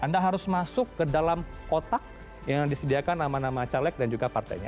anda harus masuk ke dalam kotak yang disediakan nama nama caleg dan juga partainya